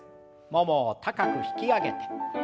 ももを高く引き上げて。